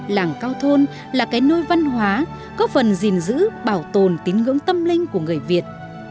làng cao thôn là cái nôi văn hóa có phần gìn giữ bảo tồn tín ngưỡng tâm linh của người việt